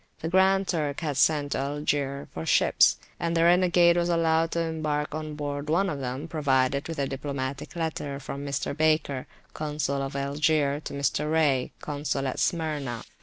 The Grand Turk had sent to Algier for ships, and the renegade was allowed to embark on board one of them provided with a diplomatic letter[FN#2] from Mr. Baker, Consul of Algier, to Mr. Raye, Consul at Smyrna.